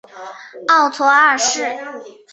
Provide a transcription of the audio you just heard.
奥托二世。